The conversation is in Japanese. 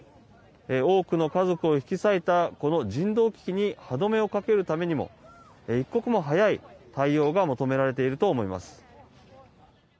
多くの家族を引き裂いたこの人道危機に歯止めをかけるためにも一刻も早い対応が求められていると思います。